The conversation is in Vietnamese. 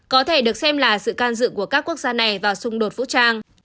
có thể được xem là sự can dự của các quốc gia này vào xung đột vũ trang